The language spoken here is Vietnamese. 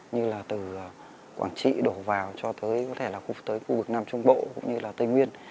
như là từ quảng trị đổ vào cho tới có thể là cục tới khu vực nam trung bộ cũng như là tây nguyên